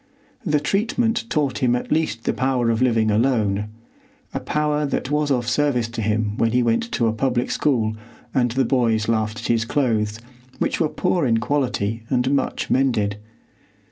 The treatment taught him at least the power of living alone,—a power that was of service to him when he went to a public school and the boys laughed at his clothes, which were poor in quality and much mended.